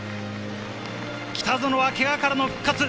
北園は、けがからの復活。